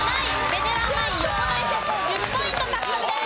ベテランナイン横取り成功１０ポイント獲得です。